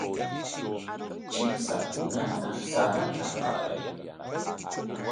Chipshakunata sarata qaray.